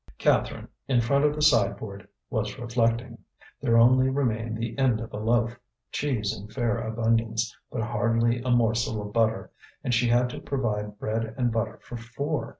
Catherine, in front of the sideboard, was reflecting. There only remained the end of a loaf, cheese in fair abundance, but hardly a morsel of butter; and she had to provide bread and butter for four.